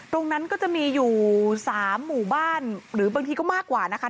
ตรงนั้นก็จะมีอยู่๓หมู่บ้านหรือบางทีก็มากกว่านะคะ